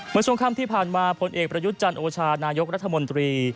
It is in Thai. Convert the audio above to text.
ช่วงค่ำที่ผ่านมาผลเอกประยุทธ์จันทร์โอชานายกรัฐมนตรี